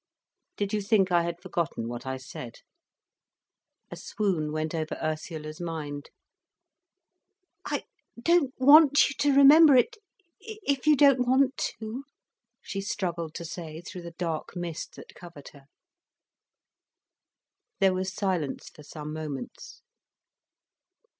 Did you think I had forgotten what I said?" A swoon went over Ursula's mind. "I don't want you to remember it—if you don't want to," she struggled to say, through the dark mist that covered her. There was silence for some moments.